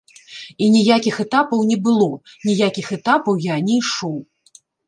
І ніякіх этапаў не было, ніякіх этапаў я не ішоў.